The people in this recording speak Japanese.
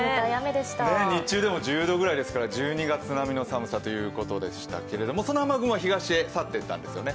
日中でも１０度ぐらいですから、１２月並みの寒さでしたけどその雨雲は東へ去っていったんですよね。